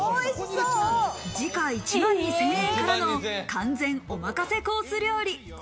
時価１万２０００円からの完全おまかせコース料理。